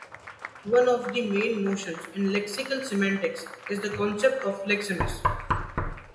One of the main notions in lexical semantics is the concept of lexemes.